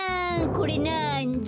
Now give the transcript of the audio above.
これなんだ？